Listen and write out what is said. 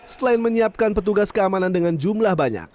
selain menyiapkan petugas keamanan dengan jumlah banyak